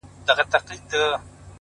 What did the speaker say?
سپوږمۍ ترې وشرمېږي او الماس اړوي سترگي ـ